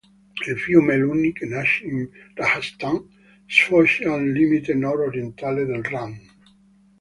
Il fiume Luni, che nasce in Rajasthan, sfocia al limite nord-orientale del Rann.